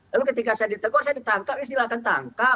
lalu ketika saya ditegur saya ditangkap silakan tangkap